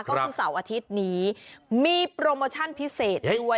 ก็คือเสาร์อาทิตย์นี้มีโปรโมชั่นพิเศษด้วย